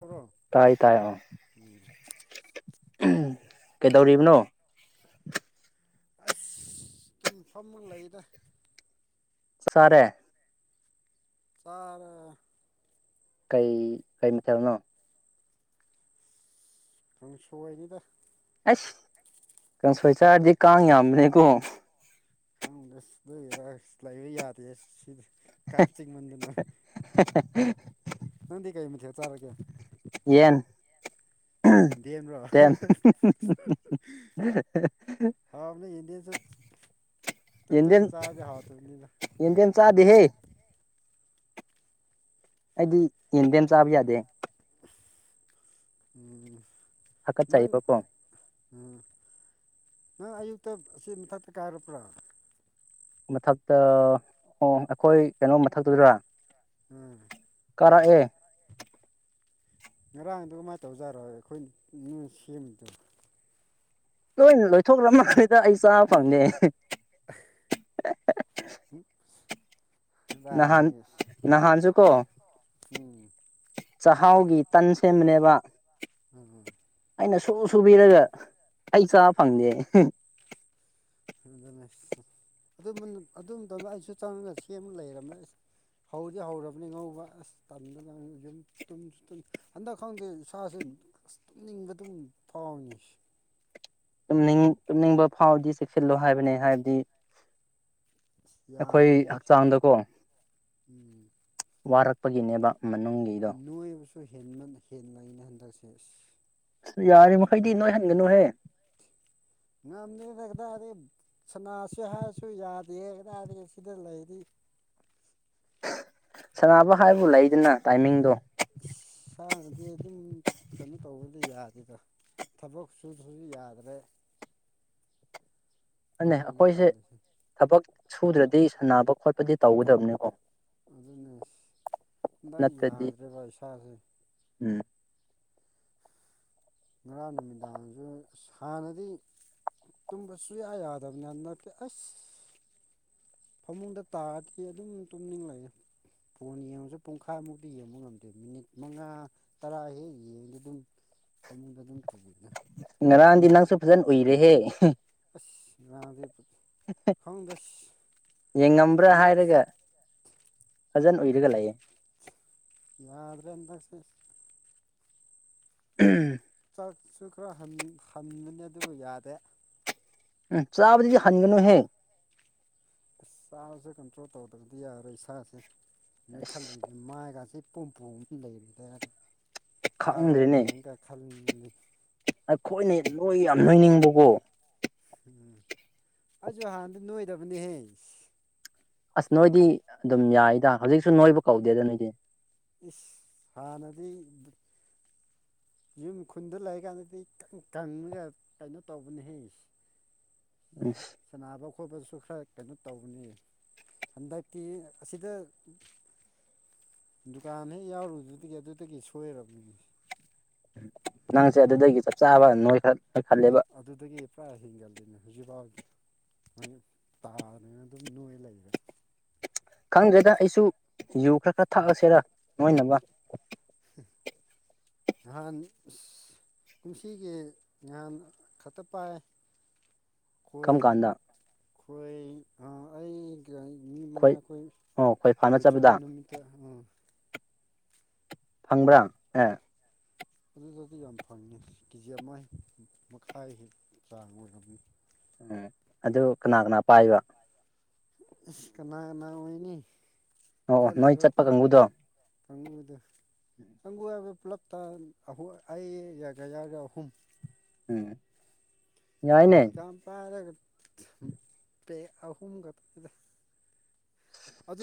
ꯇꯧꯔꯣ ꯇꯥꯏ ꯇꯣ ꯎꯝ ꯀꯩꯗꯧꯔꯤꯕꯅꯣ ꯑꯁ ꯑꯗꯨꯝ ꯐꯝꯃ ꯂꯩꯗ ꯁꯥꯔꯦ ꯁꯥꯔ ꯀꯩ ꯀꯩꯃꯤꯠꯇꯕꯅꯣ ꯀ ꯁ ꯑꯣꯏꯏꯅꯤꯗ ꯑꯁ ꯀꯥꯡꯁꯣꯏ ꯆꯔꯗꯤ ꯀꯥꯡ ꯌꯥꯝꯕꯅꯦꯀꯣ ꯈꯪꯗꯦ ꯁꯤ ꯂꯩꯔꯥ ꯁꯤ ꯂꯩꯕ ꯌꯥꯗꯦ ꯁꯤꯗꯤ ꯀꯔꯇꯛ ꯃꯗꯤꯔ ꯅ ꯅꯪꯗꯤ ꯀꯩ ꯃꯊꯦ ꯆꯥꯔꯒꯦ ꯌꯦꯟ ꯌꯦꯟꯗꯦꯝꯔꯣ ꯇꯦꯟ ꯑ ꯏꯟꯗꯤꯌꯟ ꯏꯟꯗꯤꯌꯥꯟ ꯆꯗꯤ ꯍꯦ ꯑꯩꯗꯤ ꯌꯦꯟꯕꯦꯝ ꯆꯥꯕ ꯌꯥꯗꯦ ꯎꯝ ꯅꯪ ꯍꯥꯀꯠꯆꯩꯕ ꯀꯣ ꯎꯝ ꯅꯪ ꯑꯌꯨꯛꯇ ꯑꯁꯤꯦ ꯃꯊꯛꯇ ꯀꯥꯏꯔꯕ꯭ꯔꯣ ꯃꯊꯛꯇ ꯑꯣ ꯑꯩꯈꯣꯏ ꯀꯩꯅꯣ ꯃꯊꯛꯇꯗꯔꯥ ꯎꯝ ꯀꯔꯛꯑꯦ ꯉꯔꯥꯡꯗꯨ ꯀꯃꯥꯏꯅ ꯇꯧꯖꯥꯔꯣ ꯑꯩꯈꯣꯏ ꯁꯦꯝꯕꯗꯣ ꯂꯣꯏꯅ ꯂꯣꯏꯊꯣꯛꯂꯃꯩꯗ ꯑꯩ ꯆꯥꯕ ꯐꯪꯗꯦ ꯎꯝ ꯅꯍꯥꯟ ꯅꯍꯥꯟꯁꯨ ꯀꯣ ꯎꯝ ꯆꯥꯛꯍꯥꯎꯒꯤ ꯇꯟ ꯁꯦꯝꯕꯅꯦꯕ ꯎꯝꯝ ꯑꯩꯅ ꯁꯨ ꯁꯨꯕꯤꯔꯒ ꯑꯩ ꯆꯥꯕ ꯐꯪꯗꯦ ꯑꯗꯨ ꯑꯗꯨ ꯇꯧꯗ ꯑꯩꯁꯨ ꯆꯪꯉꯒ ꯁꯦꯝꯃ ꯂꯩꯔꯕꯝꯃꯦꯁ ꯍꯧꯗꯤ ꯍꯧꯔꯕꯅꯤ ꯉꯧꯕ ꯑꯁ ꯌꯨꯝ ꯍꯟꯗꯛ ꯈꯪꯗꯦ ꯁꯥꯁꯤ ꯇꯨꯝꯅꯤꯡꯕ ꯑꯗꯨꯝ ꯐꯥꯎꯅꯤ ꯇꯨꯝꯅꯤꯡꯕ ꯐꯥꯎꯕꯗꯤ ꯆꯦꯛꯁꯤꯜꯂꯣ ꯍꯥꯏꯕꯅꯦ ꯍꯥꯏꯕꯗꯤ ꯑꯁ ꯑꯩꯈꯣꯏ ꯌꯥꯗ꯭ꯔꯦꯅꯦ ꯍꯛꯆꯥꯡꯗꯀꯣ ꯎꯝ ꯋꯥꯔꯛꯄꯒꯤꯅꯦꯕ ꯃꯅꯨꯡꯒꯤꯗꯣ ꯍ ꯍꯦꯟꯅ ꯑꯩꯅ ꯍꯟꯗꯛꯁꯦ ꯑ ꯌꯥꯔꯤ ꯃꯈꯩꯗꯤ ꯅꯣꯏ ꯍꯟꯒꯅꯨꯍꯦ ꯉꯝꯗꯦ ꯍꯗꯥꯗꯤ ꯁꯅꯥꯁꯤ ꯍꯥꯏꯔꯁꯨ ꯌꯥꯗꯦ ꯍꯗꯥꯗꯤ ꯁꯤꯗ ꯂꯩꯔꯤ ꯁꯅꯕ ꯍꯥꯏꯕꯨ ꯂꯩꯗꯅ ꯇꯥꯏꯃꯤꯡꯗꯣ ꯁꯥꯅꯗꯤ ꯑꯗꯨꯝ ꯀꯩꯅꯣ ꯇꯧꯕꯗꯤ ꯌꯥꯗꯦꯗꯣ ꯊꯕꯛ ꯁꯨꯁꯨ ꯌꯥꯗ꯭ꯔꯦ ꯩ ꯑꯗꯨꯅꯤ ꯑꯩꯈꯣꯏꯁꯦ ꯇꯜꯂꯤꯁꯦ ꯊꯕꯛ ꯁꯨꯗ꯭ꯔꯗꯤ ꯁꯥꯟꯅꯕ ꯈꯣꯠꯄꯗꯤ ꯇꯧꯒꯗꯕꯅꯤꯀꯣ ꯑꯗꯨꯅꯦ ꯍꯟꯗꯛ ꯅꯠꯇ꯭ꯔꯗꯤ ꯌꯥꯗ꯭ꯔꯦꯕ ꯏꯁꯥꯁꯦ ꯎꯝ ꯉꯔꯥꯡ ꯅꯨꯃꯤꯗꯥꯡꯁꯨ ꯍꯥꯟꯅꯗꯤ ꯇꯁꯨ ꯌꯥ ꯌꯥꯗꯕ ꯅꯅꯤ ꯀ ꯑꯁ ꯐꯃꯨꯡꯗ ꯇꯥꯔꯗꯤ ꯑꯗꯨꯝ ꯇꯨꯝꯅꯤꯡꯂꯛꯑꯦ ꯐꯣꯟ ꯌꯦꯡꯉꯁꯨ ꯄꯨꯡꯈꯥꯏꯃꯨꯛꯇꯤ ꯌꯦꯡꯕ ꯉꯝꯗꯦ ꯃꯤꯅꯤꯠ ꯃꯉꯥ ꯇꯔꯥ ꯍꯦꯛ ꯌꯦꯡꯗꯦ ꯑꯗꯨꯝ ꯐꯃꯨꯡꯗ ꯇꯨ ꯉꯔꯥꯟꯗꯤ ꯅꯪꯁꯨ ꯐꯖꯅ ꯎꯏꯔꯦꯍꯦ ꯑꯁ ꯉꯗ ꯈꯥꯎꯗꯁ ꯌꯦꯡꯉꯝꯕ꯭ꯔꯥ ꯍꯥꯏꯔꯒ ꯐꯖꯅ ꯎꯏꯔꯒ ꯂꯩꯌꯦ ꯌꯥꯗ꯭ꯔꯗꯁꯦ ꯎꯝ ꯆꯛꯁꯨ ꯈꯔ ꯍꯟꯕꯅꯤ ꯑꯗꯨꯕꯨ ꯌꯥꯗꯦ ꯎꯝ ꯆꯕ ꯑꯗꯨꯗꯤ ꯍꯅꯤꯒꯅꯨ ꯍꯦ ꯑꯁ ꯆꯥꯁꯨꯦ ꯀꯟꯇ꯭ꯔꯣꯜ ꯇꯧꯗ꯭ꯔꯗꯤ ꯌꯥꯔꯣꯏ ꯏꯁꯥꯁꯦ ꯅꯣꯏ ꯈꯜꯂꯤ ꯑꯁ ꯃꯥꯏꯒꯁꯤ ꯄꯨꯝꯄꯨ ꯑꯃ ꯂꯩꯔꯤꯗ ꯁꯥꯐꯥꯎ ꯌꯦꯡꯒ ꯈꯜꯂꯤ ꯑꯩꯈꯣꯏꯅꯦ ꯅꯣꯏ ꯌꯥꯝ ꯅꯣꯏꯅꯤꯡꯕꯀꯣ ꯎꯝ ꯑꯩꯁꯨ ꯍꯥꯟꯅꯗꯤ ꯅꯣꯏꯗꯕꯅꯦꯍꯦ ꯑꯁ ꯅꯣꯏꯗꯤ ꯑꯗꯨꯝ ꯌꯥꯏꯗ ꯍꯧꯖꯤꯛꯁꯨ ꯅꯣꯏꯕꯨ ꯀꯧꯗꯦꯗ ꯅꯣꯏꯗꯤ ꯏꯁ ꯍꯥꯟꯅꯗꯤ ꯌꯨꯝ ꯈꯨꯟꯗ ꯂꯩꯔꯤꯀꯥꯟꯗꯗꯤ ꯀꯪꯉꯒ ꯀꯩꯅꯣ ꯇꯧꯕꯅꯦꯍꯦ [unintelligible] ꯁꯥꯟꯅꯕ ꯈꯣꯠꯄꯁꯨ ꯈꯔ ꯀꯩꯅꯣ ꯇꯧꯕꯅꯤ ꯍꯟꯗꯛꯛꯇꯤ ꯑꯁꯤꯗ ꯗꯨꯀꯥꯟ ꯍꯦꯛ ꯌꯥꯎꯔꯨꯗꯨꯗꯒꯤ ꯑꯗꯨꯗꯒꯤ ꯁꯣꯏꯔꯕ ꯅꯪꯁꯦ ꯑꯗꯨꯗꯒꯤ ꯆꯞ ꯆꯥꯕ ꯅꯣꯏꯈꯛ ꯑꯗꯨꯗꯗꯒꯤ ꯄ꯭ꯔꯥ ꯍꯤꯡꯡꯜ ꯑꯗꯨꯅ ꯍꯧꯖꯤꯛꯐꯥꯎꯗꯤ ꯃꯣꯏ ꯇꯥꯗꯅ ꯑꯗꯨꯝ ꯅꯣꯏ ꯂꯩꯔꯦ ꯈꯪꯗ꯭ꯔꯦꯗ ꯑꯩꯁꯨ ꯌꯨ ꯈꯔ ꯈꯔ ꯊꯛꯑꯁꯤꯦꯔ ꯅꯣꯏꯅꯕ ꯍ ꯀꯨꯝꯁꯤꯒꯤ ꯉꯍꯥꯟ ꯈꯛꯇ ꯄꯥꯏ ꯀꯝ ꯀꯥꯟꯗꯥ ꯑꯩꯈꯣꯏ ꯑ ꯑꯩ ꯃꯤ ꯃꯉꯥ ꯈꯣꯏ ꯑꯩꯈꯣꯏ ꯑꯣ ꯈꯣꯏ ꯐꯥꯅ ꯀꯣꯏ ꯆꯠꯄ ꯆꯠꯄꯗ ꯅꯨꯃꯤꯠꯇ ꯑꯥ ꯐꯪꯕ꯭ꯔꯥ ꯑꯦ ꯑꯗꯨꯗꯗꯤ ꯌꯥꯝ ꯐꯪꯉꯤ ꯀꯦꯖꯤ ꯑꯃ ꯃꯈꯥꯏ ꯍ ꯆꯥꯡ ꯑꯣꯏꯝꯅꯤ ꯎꯝ ꯑꯗꯨ ꯀꯅꯥ ꯀꯅꯥ ꯄꯥꯏꯕ ꯀꯅꯥ ꯀꯅꯥ ꯑꯣꯏꯅꯤ ꯑꯣ ꯅꯣꯏ ꯆꯠꯂꯤꯕ ꯆꯠꯄ ꯀꯥꯡꯕꯨꯗꯣ ꯀꯥꯡꯗ ꯀꯥꯡ ꯍꯥꯏꯕ ꯄꯨꯞꯂꯞꯇ ꯑꯩꯒ ꯌꯥꯒ ꯑꯍꯨꯝ ꯎꯝ ꯌꯥꯏꯅꯦ ꯆꯝꯄꯥꯏꯔꯒ ꯄꯦ ꯑꯍꯨꯝꯛꯇꯗ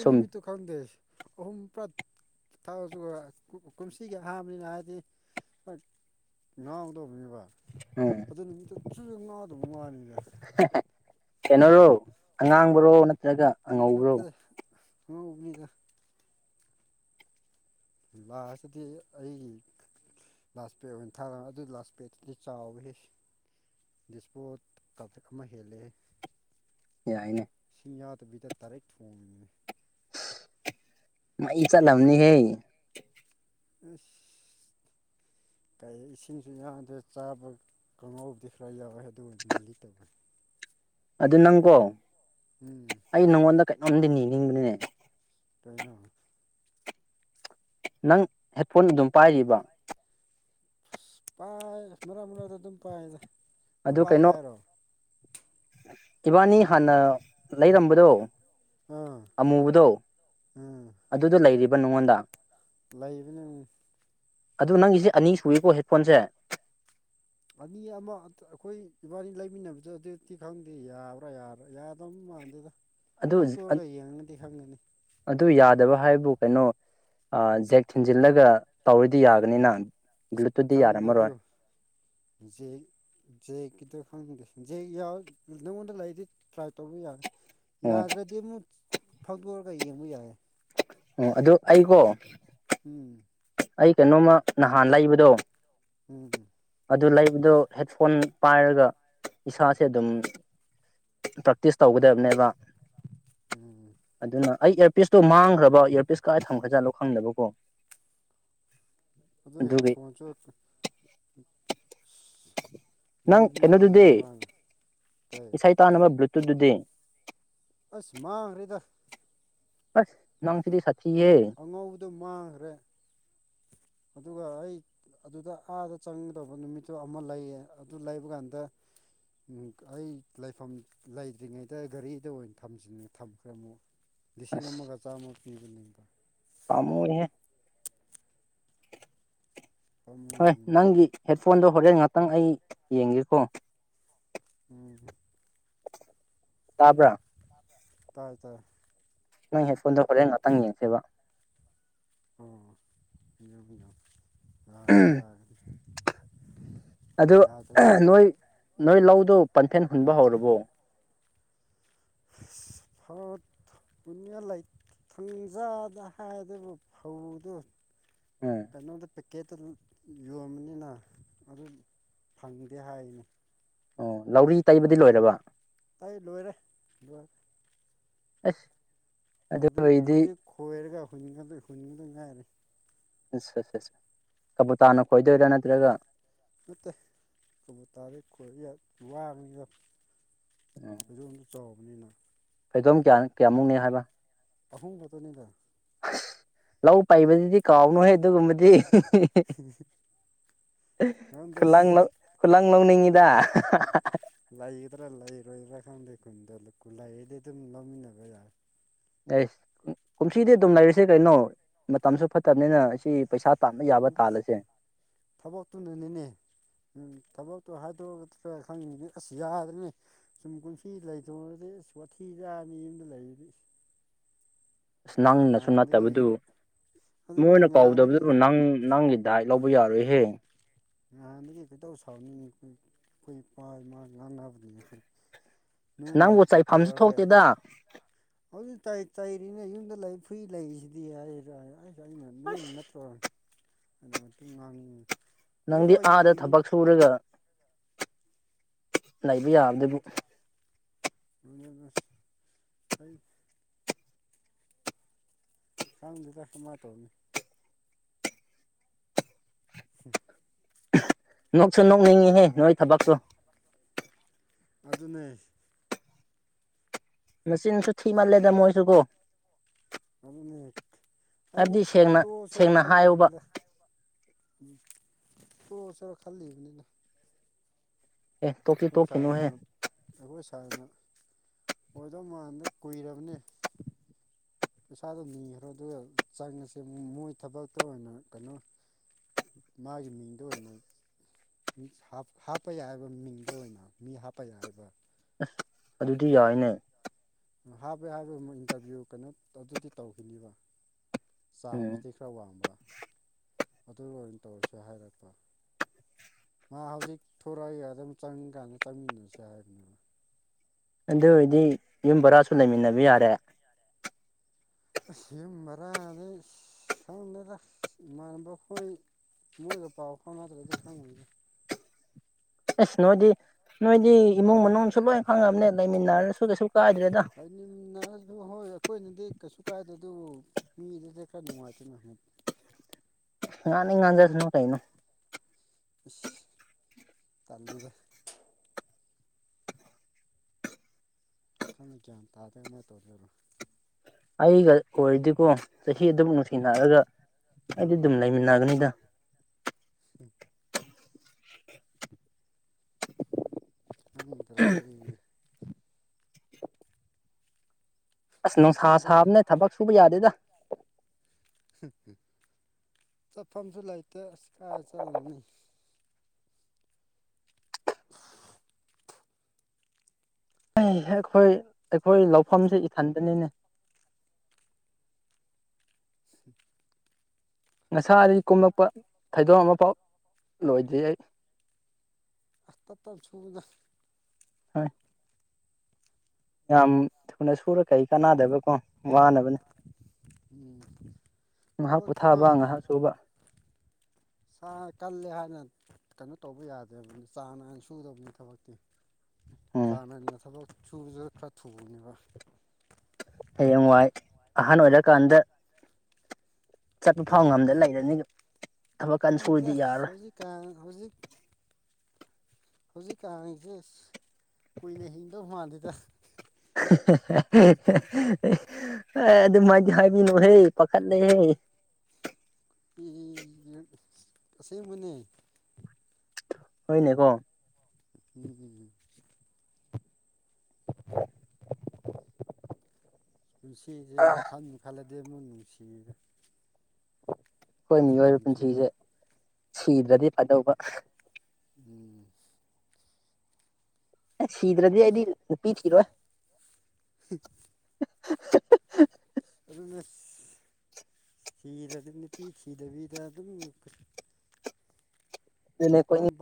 ꯁꯨꯝ ꯈꯪꯗꯦ ꯑꯍꯨꯝ ꯄ꯭ꯔ ꯊꯥꯎꯁꯨ ꯀꯨꯝꯁꯤꯒꯤ ꯑꯍꯥꯟꯕꯅꯤꯅ ꯍꯥꯏꯗꯤ ꯉꯥꯡꯒꯗꯧꯕꯅꯦꯕ ꯎꯝ ꯑꯗꯨ ꯅꯨꯃꯤꯠꯇ ꯆꯨꯅ ꯉꯥꯡꯗꯕ ꯃꯥꯅꯤꯗ ꯀꯩꯅꯔꯣ ꯑꯉꯥꯡꯕꯔꯣ ꯅꯠꯇ꯭ꯔꯒ ꯑꯉꯧꯕꯔꯣ ꯑ ꯎ ꯃꯤꯗ ꯂ ꯑꯗꯨꯗꯤ ꯑꯩ ꯂꯥꯁ ꯄꯦꯠ ꯑꯣꯏꯅ ꯊꯥ ꯑꯗꯨ ꯂꯥꯁ ꯄꯦꯗꯨꯗꯤ ꯆꯥꯎꯋ ꯗꯤꯁꯄꯣꯠ ꯀꯞꯇꯛ ꯑꯃ ꯍꯦꯜꯂꯦ ꯌꯥꯏꯅꯦ ꯌꯥꯕꯇ ꯇꯔꯦ ꯊꯣꯡ ꯃꯥ ꯏ ꯆꯂꯑꯅꯤ ꯍꯦ [unintelligible] [unintelligible] ꯀꯔꯤ ꯏꯁꯤꯡꯁꯤ ꯌꯥꯝꯗ ꯆꯥꯕ ꯀꯥꯡ ꯉꯥꯎꯕꯨꯗꯤ ꯈꯔ ꯌꯥꯎꯋꯦ ꯑꯗꯨ ꯃꯥꯜꯂꯤ ꯇꯧꯅꯤ ꯑꯗꯨ ꯅꯪꯀꯣ ꯎꯝ ꯑꯩ ꯅꯪꯉꯣꯟꯗ ꯀꯩꯅꯣꯝꯗꯤ ꯅꯤꯅꯤꯡꯕꯅꯤꯅꯦ ꯇꯥꯏꯅ ꯅꯪ ꯍꯦꯠꯐꯣꯟ ꯑꯗꯨꯝ ꯄꯥꯏꯔꯤꯕ ꯄꯥꯏ ꯃꯔꯛ ꯃꯔꯛꯛꯇ ꯑꯗꯨꯝ ꯄꯥꯏꯗ ꯑꯗꯨꯝ ꯑꯗꯨ ꯄꯥꯏꯒꯦ ꯀꯩꯅꯣ ꯍꯥꯏꯔꯣ ꯏꯕꯥꯅꯤ ꯍꯥꯟꯅ ꯂꯩꯔꯝꯕꯗꯣ ꯑꯥ ꯑꯃꯨꯕꯗꯣ ꯎꯝ ꯑꯗꯨꯗ ꯂꯩꯔꯤꯕ ꯅꯉꯣꯟꯗ ꯂꯩꯕꯅꯦ ꯑꯗꯨ ꯅꯪꯒꯤꯁꯦ ꯑꯅꯤ ꯁꯨꯔꯤꯀꯣ ꯍꯦꯠꯐꯣꯟꯁꯦ ꯑꯅꯤ ꯑꯃ ꯑꯩꯈꯣꯏ ꯏꯕꯥꯅꯤ ꯂꯩꯃꯤꯟꯅꯕꯗ ꯑꯗꯨꯗꯤ ꯈꯪꯗꯦ ꯌꯥꯕ꯭ꯔꯥ ꯌꯥꯕ꯭ꯔꯥ ꯌꯥꯗ ꯃꯥꯥꯟꯗ ꯑꯗꯨ ꯌꯥꯗꯕ ꯍꯥꯏꯕ ꯕꯨ ꯀꯩꯅꯣ ꯖꯦꯛ ꯊꯤꯟꯖꯤꯜꯂꯒ ꯇꯧꯔꯗꯤ ꯌꯥꯒꯅꯤꯅ ꯕ꯭ꯂꯨꯇꯨꯠꯇꯇꯤ ꯌꯥꯔꯝꯃꯔꯣꯏ ꯖ ꯀꯥꯗ ꯈꯪ ꯖꯦꯛ ꯅꯪꯉꯣꯟꯗ ꯂꯩꯗꯤ ꯇ꯭ꯔꯥꯏ ꯇꯧꯕ ꯌꯥꯔꯦ ꯑꯣ ꯌꯥꯗ꯭ꯔꯗꯤ ꯑꯃꯨꯛ ꯐꯧꯗꯣꯔꯒ ꯌꯦꯡꯕ ꯌꯥꯏꯦ ꯑꯣ ꯑꯗꯨꯣ ꯑꯩꯀꯣ ꯎꯝ ꯑꯩ ꯀꯩꯅꯣꯝꯃ ꯅꯍꯥꯟ ꯂꯩꯕꯗꯣ ꯎꯝ ꯑꯗꯨ ꯂꯩꯕꯗꯣ ꯍꯦꯠꯐꯣꯟ ꯄꯥꯏꯔꯒ ꯏꯁꯥꯁꯦ ꯑꯗꯨꯝ ꯄ꯭ꯔꯦꯛꯇꯤꯁ ꯇꯧꯒꯗꯕꯅꯦꯕ ꯎꯝ ꯑꯗꯨꯅ ꯑꯩ ꯏꯌꯔꯄꯤꯁꯇꯣ ꯃꯥꯡꯈ꯭ꯔꯕ ꯏꯌꯥꯔꯄꯤꯁ ꯀꯥꯏ ꯊꯝꯒꯖꯥꯠꯂꯣ ꯈꯪꯗꯕꯀꯣ ꯑꯗꯨꯗ ꯑꯗꯨꯒꯤ ꯐꯣꯟꯣꯟ ꯆ ꯅꯪ ꯑꯦꯅꯗꯨꯗꯤꯦ ꯀꯩ ꯏꯁꯩ ꯇꯥꯅꯕ ꯕ꯭ꯨꯠꯇꯨꯗꯨꯗꯤ ꯑꯁ ꯃꯥꯡ ꯔꯦꯗ ꯍꯁ ꯅꯪ ꯑꯉꯧꯕꯗꯣ ꯃꯥꯡꯈ꯭ꯔꯦ ꯑꯗꯨꯒ ꯑꯩ ꯑꯗꯨꯗ ꯑꯥꯗ ꯆꯪꯒꯗꯧꯕ ꯅꯨꯃꯤꯠꯇꯨ ꯑꯃ ꯂꯩꯌꯦ ꯑꯗꯨ ꯂꯩꯕ ꯀꯥꯟꯗ ꯎꯝ ꯑꯩ ꯂꯩꯐꯝ ꯂꯩꯇ꯭ꯔꯤꯉꯩꯗ ꯒꯥꯔꯤꯗ ꯑꯣꯏꯅ ꯊ ꯊꯝꯈ꯭ꯔꯦ ꯑꯃꯨꯛ ꯁꯤ ꯉꯝꯃꯣꯒ ꯆꯆꯥ ꯑꯃꯨꯤꯕ ꯄꯥꯝꯃꯨꯏꯍꯦ ꯍꯣꯏ ꯄꯥꯝꯃꯨꯕꯅꯦ ꯅꯪꯒꯤ ꯍꯦꯠꯐꯣꯟꯗꯣ ꯍꯣꯔꯦꯟ ꯉꯥꯛꯇꯪ ꯑꯩ ꯌꯦꯡꯒꯦꯀꯣ ꯎꯝ ꯇꯥꯕ꯭ꯔꯥ ꯇꯥꯏ ꯇꯥꯏ ꯅꯪ ꯍꯦꯠ ꯐꯣꯟꯗ ꯍꯣꯔ ꯉꯍꯥꯛꯇꯪ ꯌꯦꯡꯁꯦꯈꯤꯕꯕ ꯑꯣ ꯌꯦ ꯌꯦꯝ ꯂꯗꯤꯌꯥ ꯑꯗꯨ ꯐꯛ ꯅꯣꯏ ꯅꯣꯏ ꯂꯧꯗꯨ ꯄꯟꯊꯦꯜ ꯍꯨꯟꯕ ꯍꯧꯔꯕꯣ ꯍꯨꯠ ꯄꯨꯌꯥ ꯂꯩ ꯊꯨꯡꯖꯥꯗ ꯍꯥꯏꯗꯨꯕꯨ ꯐꯧꯗꯨ ꯎꯝ ꯀꯩꯅꯩꯅꯣ ꯑꯣꯗ ꯇꯤꯀꯦꯠꯇꯨ ꯌꯣꯟꯕꯅꯤꯅ ꯑꯗꯨ ꯐꯪꯗꯦ ꯍꯥꯏꯅꯤ ꯑꯣ ꯂꯧꯔꯤ ꯇꯩꯕꯗꯤ ꯂꯣꯏꯔꯕ ꯑꯩ ꯂꯣꯏꯔꯦ ꯂꯣꯏꯔꯦ ꯑꯁ ꯑꯗꯨ ꯑꯗꯨꯏ ꯑꯣꯏꯔꯗꯤ ꯈꯖꯤꯛ ꯈꯣꯏꯔꯒ ꯍꯨꯟꯒꯗꯣꯏ ꯍꯨꯟꯒꯗꯣꯏ ꯉꯥꯏꯔꯦ ꯑ ꯀꯕꯨ ꯇꯥꯅ ꯈꯣꯏꯗꯣꯏꯔꯥ ꯅꯠꯇ꯭ꯔꯒ ꯅꯠꯇꯦ ꯇ ꯇꯥꯔꯦ ꯈꯣꯏ ꯋꯥꯕꯅꯤꯅ ꯍꯧ ꯑ ꯆꯥꯎꯕꯅꯤꯅ ꯀꯩꯗꯣꯝ ꯀꯌꯥ ꯀꯌꯥꯃꯨꯛꯅꯤ ꯍꯥꯏꯕ ꯑꯍꯨꯝꯕꯇꯅꯤꯗ ꯑꯁ ꯂꯧ ꯄꯥꯏꯕꯗꯨꯗꯤ ꯀꯥꯎꯅꯨꯍ ꯑꯗꯨꯒꯨꯝꯕꯗꯤ ꯈꯪꯗꯦ ꯈꯨꯂ ꯈꯨꯂꯥꯡ ꯂꯧꯅꯤꯡꯉꯤ ꯗ ꯂꯩꯒꯗ꯭ꯔꯥ ꯂꯩꯔꯣꯏꯗ꯭ꯔꯥ ꯈꯪꯗꯦ ꯈꯨꯟꯗ ꯈꯨ ꯂꯩꯗꯤ ꯑꯗꯨꯝ ꯂꯧꯃꯤꯟꯅꯕ ꯌꯥꯔꯦ ꯑꯦꯁ ꯀꯨꯝꯁꯤꯗꯤ ꯑꯗꯨꯝ ꯂꯩꯔꯤꯁꯦ ꯀꯩꯅꯣ ꯃꯇꯝꯁꯨ ꯐꯠꯇꯕꯅꯤꯅ ꯑꯁꯤ ꯄꯩꯁꯥ ꯇꯥꯟꯕ ꯌꯥꯕ ꯎꯝ ꯇꯥꯜꯂꯁꯦ ꯊꯕꯛꯇꯨꯅꯅꯤꯅꯦ ꯎꯝ ꯊꯕ ꯇꯣ ꯍꯥꯏꯗꯣꯛꯑꯒ꯭ꯔ ꯈꯪꯅꯤꯡ ꯑꯁ ꯌꯥꯗ꯭ꯔꯅꯤ ꯁꯨꯝ ꯀꯨꯝꯁꯤ ꯂꯩꯇꯗꯤ ꯑꯁ ꯋꯥꯊꯤ ꯌꯨꯝꯗ ꯂꯩꯔꯗꯤ [inaudible] ꯑꯁ ꯅꯪꯅꯁꯨ ꯅꯠꯇꯕꯗꯨ ꯅꯍꯥꯟꯗꯒꯤ ꯑꯗꯨꯅꯤ ꯃꯣꯏꯅ ꯅꯍꯥꯟꯗꯒꯤ ꯀꯥꯎꯗꯕꯗꯨꯕꯨ ꯅꯪ ꯅꯪꯒꯤ ꯗꯥꯏꯠ ꯂꯧꯕ ꯌꯥꯔꯣꯏꯍꯦ ꯅꯍꯥꯟꯗꯒꯤ ꯀꯩꯇꯧ ꯁꯥꯎꯅꯤꯡ ꯑꯩꯈ ꯑꯩꯈꯣꯏ ꯏꯄꯥ ꯏꯃ ꯉꯥꯡꯅꯕꯅꯤꯅꯦ ꯑꯩꯈꯣꯏ ꯅꯣꯏꯅ ꯅꯪꯕꯨ ꯆꯩꯐꯝꯁꯨ ꯀꯥꯎꯊꯣꯛꯑꯒꯦ ꯊꯣꯛꯇꯦꯗ ꯍꯧꯖꯤꯛ ꯇꯥꯏ ꯆꯩꯔꯤꯅꯦ ꯌꯨꯝꯗ ꯂꯩ ꯐꯨꯔꯤ ꯂꯩꯔꯤꯁꯤꯗꯤ ꯍꯥꯏꯔ ꯑꯩꯁ ꯑꯩꯅ ꯅꯣꯏꯅ ꯅꯠꯇꯔ ꯑꯗꯨꯗ ꯃꯇꯨꯡ ꯉꯥꯡꯉꯤ ꯅꯪꯗꯤ ꯍꯧꯖꯤꯛꯐꯥꯎ ꯑꯥꯗ ꯌꯦꯡꯉꯤꯅꯤ ꯊꯕꯛ ꯁꯨꯔꯒ ꯂꯩꯕ ꯌꯥꯔꯗꯕꯨ ꯃꯁ ꯑꯩ ꯁꯥꯡꯗꯨꯗꯁꯨꯃꯥꯏ ꯇꯧꯅꯤ ꯎꯝ ꯅꯣꯛꯁꯨ ꯅꯣꯛꯅꯤꯡꯉꯤꯍꯦ ꯅꯣꯏꯣꯏ ꯊꯕꯛꯁꯨꯣ ꯑꯗꯨꯅꯦ ꯃꯆꯤꯟꯁꯨ ꯊꯤ ꯃꯥꯜꯂꯦꯗ ꯃꯣꯏꯁꯨ ꯀꯣ ꯑꯗꯨ ꯑꯩ ꯍꯥꯏꯕꯗꯤ ꯁꯦꯡꯅ ꯇꯣꯁꯔ ꯁꯦꯡꯅ ꯍꯥꯏꯌꯣꯕ ꯈꯜꯂꯤꯕꯅꯤꯗ ꯇꯣꯀꯁꯤꯔꯥ ꯈꯜꯂꯤꯕꯅꯤꯅ ꯑꯦ ꯇꯣꯛꯇꯤ ꯑꯩꯈꯣꯏ ꯁꯅ ꯇꯣꯛꯈꯤꯅꯨꯍꯦ ꯑꯩꯈꯣꯏ ꯁꯅ ꯑꯣꯗꯣ ꯃꯥꯡꯗ ꯀꯨꯏꯔꯕꯅꯦ ꯄꯩꯁꯥꯗꯣ ꯅꯤꯈ꯭ꯔꯣ ꯑꯗꯨꯒ ꯆꯪꯉꯁꯦ ꯃꯣꯏ ꯊꯕꯛꯇ ꯑꯣꯏꯅ ꯀꯩꯅꯣ ꯃꯥꯒꯤ ꯃꯤꯡꯗ ꯑꯣꯏꯅ ꯍꯥꯞꯄ ꯌꯥꯏꯑꯕ ꯃꯤꯡꯗ ꯑꯣꯏꯅ ꯃꯤ ꯍꯥꯞꯄ ꯌꯥꯏꯕ ꯑꯗꯨꯗꯤ ꯌꯥꯏꯅꯦ ꯍꯥꯞꯄꯩ ꯍꯥꯏꯕꯩ ꯏꯟꯇꯔꯚꯤꯌꯨ ꯀꯩꯅꯣ ꯑꯗꯨꯗꯤ ꯇꯧꯈꯤꯅꯤꯕ ꯎꯝ ꯆꯥꯡꯁꯤꯗꯤ ꯈꯔ ꯋꯥꯡꯕ ꯑꯗꯨ ꯑꯣꯏꯅ ꯇꯧꯔꯁꯦ ꯍꯥꯏꯔꯛꯄ ꯃꯥ ꯍꯧꯖꯤꯛ ꯊꯣꯔꯛꯑꯏꯒ ꯑꯗꯨꯝ ꯆꯪꯅꯤꯡ ꯀꯥꯟꯗ ꯆꯪꯃꯤꯟꯅꯁꯤ ꯍꯥꯏꯕꯅꯦꯕ ꯑꯗꯨ ꯑꯣꯏꯗꯤ ꯌꯨꯝ ꯕꯔꯥꯁꯨ ꯂꯩꯃꯤꯟꯅꯕ ꯌꯥꯔꯦ ꯑꯁꯤ ꯃꯔꯥꯗꯩ ꯁꯝꯗꯌꯦꯗ ꯏꯃꯅꯕ ꯈꯈꯣꯏ ꯃꯣꯏꯒ ꯄꯥꯎ ꯐꯥꯎꯅ ꯇ꯭ꯔꯗꯤ ꯈꯪꯒꯦ ꯑꯁ ꯅꯣꯏꯗꯤ ꯅꯣꯏꯗꯤ ꯏꯃꯨꯡ ꯃꯅꯨꯡꯁꯨ ꯂꯣꯏ ꯈꯪꯉꯕꯅꯦ ꯂꯩꯃꯤꯟꯅꯔꯁꯨ ꯀꯁꯨ [unintelligible] ꯑꯩꯈꯣꯏꯅꯗꯤ ꯀꯩꯁꯨ ꯀꯥꯏꯗ ꯑꯗꯨ ꯃꯤꯗꯨꯗ ꯈꯔ ꯅꯨꯡꯉꯥꯏꯇꯅ ꯍꯥꯏ ꯉꯅꯤ ꯉꯥꯟꯖꯁꯅꯣ ꯀꯩꯅꯣ ꯇꯜꯗ [unintelligible] ꯈꯔ ꯒ꯭ꯌꯥꯟ ꯇꯥꯗꯦꯃꯥꯏꯅ ꯇꯧꯖꯔꯣꯏ ꯑꯩꯒ ꯑꯣꯏꯔꯗꯤꯀꯣ ꯆꯍꯤ ꯑꯗꯨ ꯅꯨꯡꯁꯤꯅꯔꯒ ꯑꯩꯗꯤ ꯑꯗꯨꯝ ꯂꯩꯃꯤꯟꯅꯒꯅꯤꯗ [inaudible] ꯎꯇꯔꯦ ꯑꯁ ꯅꯨꯡꯁꯥ ꯆꯠꯐꯝꯁꯨ ꯂꯩ ꯁꯥꯕꯅꯦ ꯊꯕꯛ ꯁꯨꯕ ꯌꯥꯗꯦꯗ ꯆꯠꯐꯝꯁꯨ ꯂꯩꯇꯦ ꯑꯁ ꯀꯥꯏ ꯆꯠꯂꯅꯤ [inaudible] ꯑꯩꯈꯣꯏ ꯑꯩꯈꯣꯏ ꯂꯧꯐꯝꯁꯦ ꯏꯊꯟꯗꯅꯤꯅꯦ ꯉꯁꯥꯗꯤ ꯀꯨꯝꯂꯛꯄ ꯊꯩꯗꯣꯛ ꯑꯃꯐꯥꯎ ꯂꯣꯏꯗ꯭ꯔꯤ ꯑꯩ ꯑ ꯁꯨꯗ ꯍꯣꯏ ꯌꯥꯝ ꯊꯨꯅ ꯁꯨꯔ ꯀꯩ ꯀꯥꯟꯅꯥꯗꯕꯀꯣ ꯋꯥꯅꯕꯅꯦ ꯎꯝ ꯉꯥꯛ ꯊꯕꯛꯇꯤꯀꯣ ꯄꯣꯊꯥꯕ ꯉꯥꯏꯍꯥꯛ ꯁꯨꯕ ꯁꯥ ꯀꯜꯂꯦ ꯍꯥꯏꯅ ꯀꯩꯅꯣ ꯇꯧꯕ ꯌꯥꯗꯦꯕ ꯆꯥꯡ ꯅꯥꯏꯅ ꯁꯨꯗꯕꯅꯤ ꯊꯕꯛꯇꯤ ꯎꯝ ꯆꯥꯅꯅ ꯊꯕꯛ ꯁꯨꯕꯁꯤꯗ ꯈꯔ ꯊꯨꯅꯦꯕ ꯍꯌꯦꯡ ꯋꯥꯏ ꯑꯍꯥꯟ ꯑꯣꯏꯔꯀꯥꯟꯗ ꯆꯠꯄ ꯐꯥꯎ ꯉꯝꯗ ꯂꯩꯔꯅꯤ ꯊꯕꯛ ꯀꯥꯟ ꯈꯗ ꯁꯨꯔꯗꯤ ꯌꯥꯔꯣꯏ ꯁꯖꯤꯛ ꯀꯥꯟ ꯍꯧꯖꯤꯛ ꯍꯧꯖꯤꯛꯀꯥꯟꯁꯦ ꯀꯨꯏꯅ ꯍꯤꯡꯗꯧ ꯃꯥꯟꯜꯗꯌꯦꯗ [unintelligible] [inaudible] ꯑꯦ ꯑꯗꯨ ꯃꯥꯏꯗꯤ ꯍꯥꯏꯕꯤꯅꯣ ꯍꯦ ꯄꯥꯈꯠ ꯂꯩ ꯍꯦ ꯇꯁꯦꯡ ꯑꯃꯅꯤ ꯍꯑꯣꯏꯅꯦꯀꯣ ꯎꯝ ꯏꯁꯤꯁꯦ ꯈꯥꯟ ꯈꯜꯂꯗꯦ ꯃꯣꯏ ꯅꯨꯡꯁꯤ ꯍꯣꯏ ꯃꯤꯑꯣꯏꯕ ꯄꯨꯟꯁꯤꯁꯦ ꯁꯤꯗ꯭ꯔꯗꯤ ꯐꯥꯗꯧꯕ ꯎꯝ ꯁꯤꯗ꯭ꯔꯗꯤ ꯑꯩꯗꯤ ꯔꯄꯤꯤ ꯊꯔꯣ [inaudible] [inaudible] ꯁꯤꯤꯔꯗꯤ ꯅꯨꯄꯤ ꯁꯤꯗꯕꯤꯗ ꯑꯗꯨꯝ ꯑꯗꯨ ꯑꯩꯣꯏ ꯑꯄꯥꯝ